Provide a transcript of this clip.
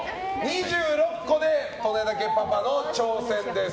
２６個で利根田家パパの挑戦です。